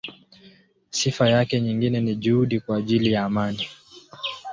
Sifa yake nyingine ni juhudi kwa ajili ya amani.